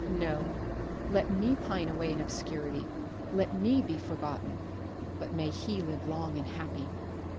No, let me pine away in obscurity, let me be forgotten. But may he live long and happy.